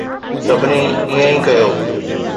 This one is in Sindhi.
سڀني ائين ئي ڪيو.